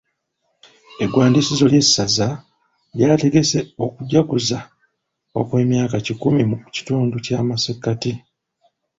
Egwandiisizo ly'esaza lyategese okujaguza kw'emyaka kikumi mu kitundu ky'amasekkati.